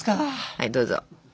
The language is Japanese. はいどうぞ。